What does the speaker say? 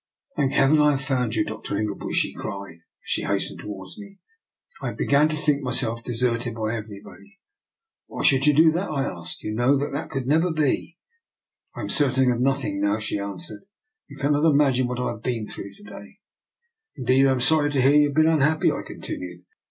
" Thank Heaven, I have found you, Dr. Ingleby,'* she cried, as she hastened towards me. " I had begun to think myself deserted by everybody.'' "Why should you do that?*' I asked. " You know that could never be." " I am certain of nothing now," she an swered. " You cannot imagine what I have been through to day." " I am indeed sorry to hear you have been unhappy," I continued.